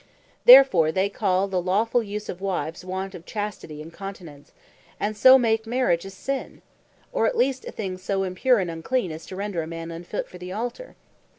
Therefore they call the lawfull use of Wives, want of Chastity, and Continence; and so make Marriage a Sin, or at least a thing so impure, and unclean, as to render a man unfit for the Altar.